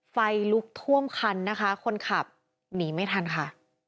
ไฟลุกท่วมคันนะคะคนขับหนีไม่ทันค่ะ